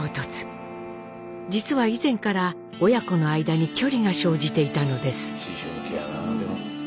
実は以前から親子の間に距離が生じていたのです。